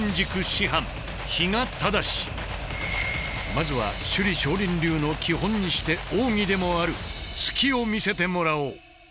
まずは首里少林流の基本にして奥義でもある「突き」を見せてもらおう！